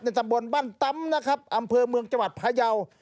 ในทะมบลบ้านตั๊มนะครับอำเภอเมืองจังหวัดพระเยา